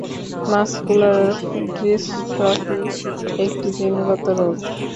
Muscular dystrophy একটি জিনগত রোগ।